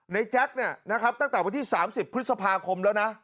แจ๊คเนี่ยนะครับตั้งแต่วันที่๓๐พฤษภาคมแล้วนะ